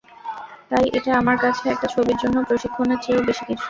তাই এটা আমার কাছে একটা ছবির জন্য প্রশিক্ষণের চেয়েও বেশি কিছু।